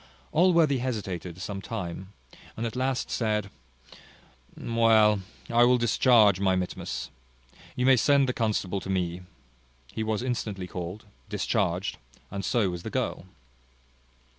Allworthy hesitated some time, and at last said, "Well, I will discharge my mittimus. You may send the constable to me." He was instantly called, discharged, and so was the girl.